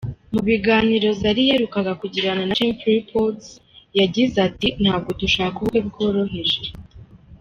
Mu biganiro Zari yaherukaga kugirana na Chimp Reports yagize ati "Ntabwo dushaka ubukwe bworoheje.